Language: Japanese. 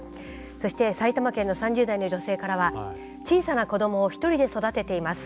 そして埼玉県の３０代の女性からは「小さな子供を一人で育てています。